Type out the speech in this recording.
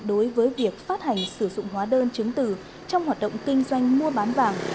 đối với việc phát hành sử dụng hóa đơn chứng từ trong hoạt động kinh doanh mua bán vàng